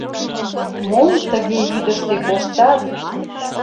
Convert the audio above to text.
Мом тыге йӱдыштӧ коштат?